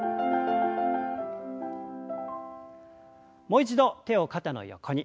もう一度手を肩の横に。